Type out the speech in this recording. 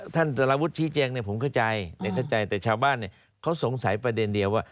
สารวุฒิชี้แจงเนี่ยผมเข้าใจเข้าใจแต่ชาวบ้านเขาสงสัยประเด็นเดียวว่า